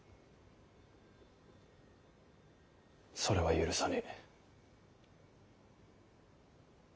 それは許さねぇ。